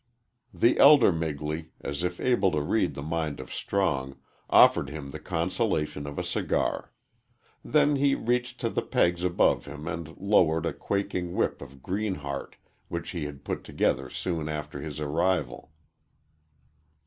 The elder Migley, as if able to read the mind of Strong, offered him the consolation of a cigar. Then he reached to the pegs above him and lowered a quaking whip of greenheart which he had put together soon after his arrival.